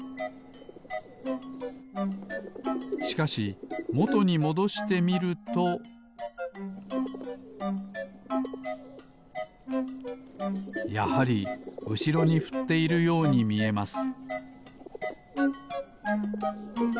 しかしもとにもどしてみるとやはりうしろにふっているようにみえます